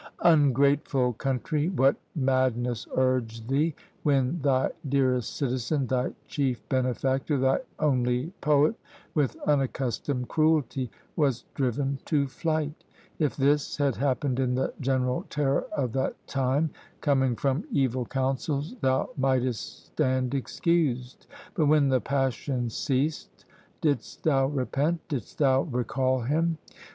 "Ungrateful country! what madness urged thee, when thy dearest citizen, thy chief benefactor, thy only poet, with unaccustomed cruelty was driven to flight! If this had happened in the general terror of that time, coming from evil counsels, thou mightest stand excused; but when the passion ceased, didst thou repent? didst thou recall him?